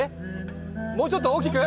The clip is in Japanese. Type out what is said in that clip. もうちょっと大きく？